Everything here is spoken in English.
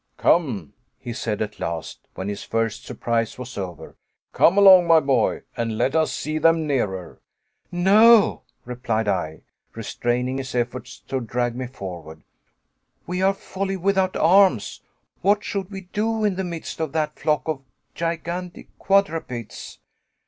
"Come!" he said at last, when his first surprise was over, "Come along, my boy, and let us see them nearer." "No," replied I, restraining his efforts to drag me forward, "we are wholly without arms. What should we do in the midst of that flock of gigantic quadrupeds?